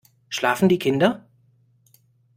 Schlafen die Kinder?